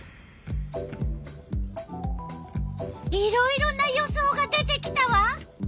いろいろな予想が出てきたわ。